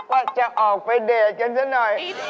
ว่าจะออกไปเดทกันซะหน่อย